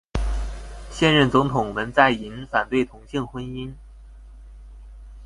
现任总统文在寅反对同性婚姻。